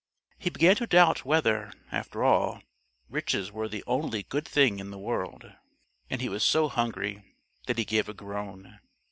He began to doubt whether, after all, riches were the only good thing in the world, and he was so hungry that he gave a groan.